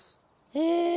へえ。